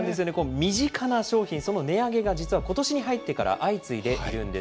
身近な商品、その値上げが実はことしに入ってから相次いでいるんです。